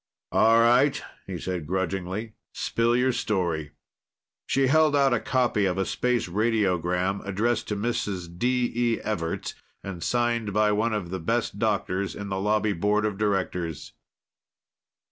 "All right," he said grudgingly. "Spill your story." She held out a copy of a space radiogram, addressed to Mrs. D. E. Everts, and signed by one of the best doctors on the Lobby Board of Directors.